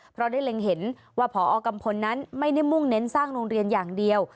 เพราะได้เล็งเห็นว่าพอกัมพลนั้นไม่ได้มุ่งเน้นสร้างโรงเรียนอย่างเดียว